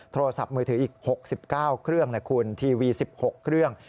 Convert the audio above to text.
โทรศัพท์มือถืออีก๖๙เครื่องนะคุณทีวี๑๖เครื่อง